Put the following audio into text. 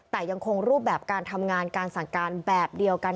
แต่ยังคงรูปแบบการทำงานการสั่งการแบบเดียวกัน